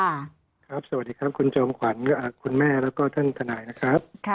สวัสดีครับคุณจอมขวัญคุณแม่แล้วก็ท่านทนายนะครับ